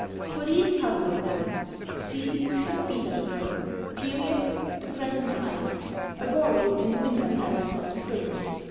PAULINE PAVLOVNA SCENE: St. Petersburg. Period: the present time. A ballroom in the winter palace of the Prince